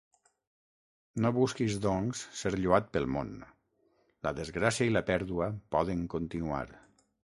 No busquis, doncs, ser lloat pel món: la desgràcia i la pèrdua poden continuar.